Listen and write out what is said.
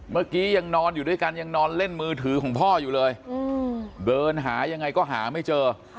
เมื่อกี้ยังนอนอยู่ด้วยกันยังนอนเล่นมือถือของพ่ออยู่เลยเดินหายังไงก็หาไม่เจอ